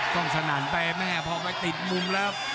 กองสนานไปแม่พอก็ติดมุมแล้ว